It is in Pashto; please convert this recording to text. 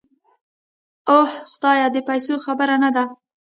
اوح خدايه د پيسو خبره نده.